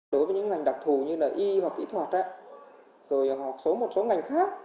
đối với những ngành đặc thù như là y hoặc kỹ thuật rồi học số một số ngành khác